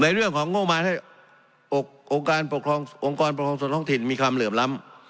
เรื่องของงบประมาณองค์การปกครององค์กรปกครองส่วนท้องถิ่นมีความเหลื่อมล้ำ